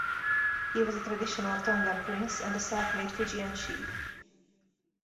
He was a traditional Tongan Prince and a self-made Fijian chief.